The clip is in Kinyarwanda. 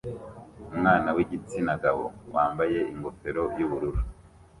Umwana wigitsina gabo wambaye ingofero yubururu